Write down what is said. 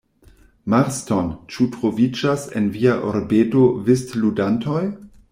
Marston, ĉu troviĝas en via urbeto vistludantoj?